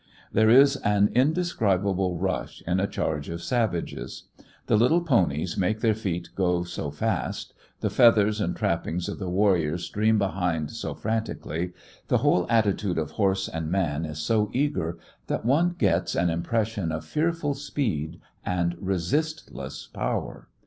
There is an indescribable rush in a charge of savages. The little ponies make their feet go so fast, the feathers and trappings of the warriors stream behind so frantically, the whole attitude of horse and man is so eager, that one gets an impression of fearful speed and resistless power.